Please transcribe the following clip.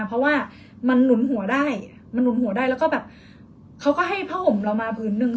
เพราะว่ามันหนุนหัวได้มันหนุนหัวได้แล้วก็แบบเขาก็ให้ผ้าห่มเรามาผืนนึง